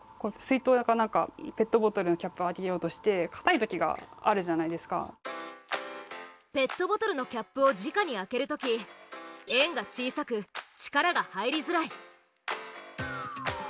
水筒か何かペットボトルのキャップをじかに開ける時円が小さく力が入りづらい。